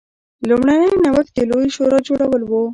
لومړنی نوښت د لویې شورا جوړول و.